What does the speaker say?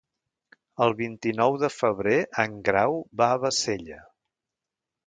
El vint-i-nou de febrer en Grau va a Bassella.